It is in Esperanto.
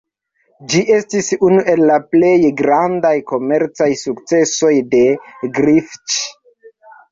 Ĝi estis unu el la plej grandaj komercaj sukcesoj de Griffith.